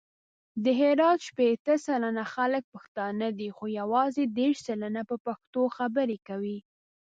د هرات شپېته سلنه خلګ پښتانه دي، خو یوازې دېرش سلنه په پښتو خبري کوي.